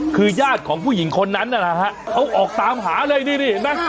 คือญาติของผู้หญิงคนนั้นนะฮะเขาออกตามหาเลยนี่เห็นไหม